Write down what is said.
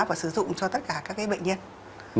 và sử dụng cho tất cả các bệnh nhân